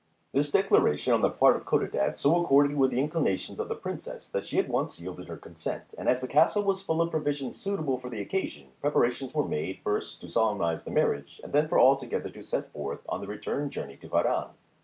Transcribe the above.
This declaration on the part of Codadad so accorded with the inclinations of the Princess that she at once yielded her consent, and as the castle was full of provisions suitable for the occasion, preparations were made firstto solemnize the marriage, and then for all together to set forth on the return journey to Harran.